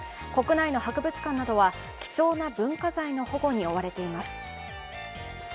国内の博物館などは貴重な文化財の保護に追われています。